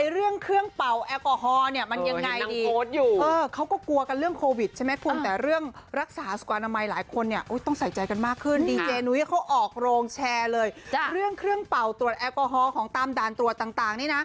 เรื่องเครื่องเป่าตรวจแอลกอฮอล์ของตามด่านตรวจต่างนี่นะ